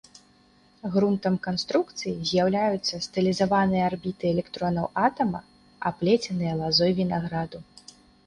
Грунтам канструкцыі з'яўляюцца стылізаваныя арбіты электронаў атама, аплеценыя лазой вінаграду.